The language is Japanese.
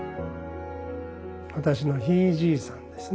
私のひいじいさんですね。